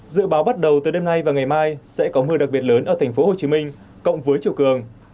dự báo bắt đầu từ đêm nay và ngày mai sẽ có mưa đặc biệt lớn ở tp hcm cộng với chiều cường